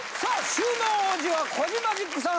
収納王子はコジマジックさん